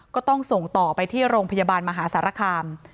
ก็ต้องส่งต่อไปที่โรงพยาบาลมหาสารคาม